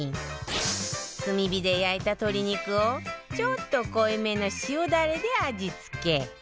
炭火で焼いた鶏肉をちょっと濃いめの塩ダレで味付け